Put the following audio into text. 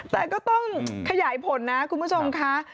แต่ก็ต้องขยายผลนะคุณผู้ชมค่ะ